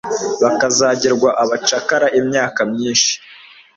bakazagirwa abacakara imyaka myinshi,